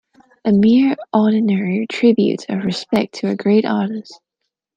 A mere ordinary tribute of respect to a great artist.